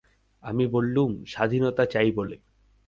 আমি বললুম, স্বাধীনতা চাই বলে।